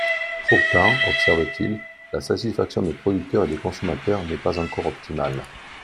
Pourtant, observe-t-il, la satisfaction des producteurs et des consommateurs n'est pas encore optimale.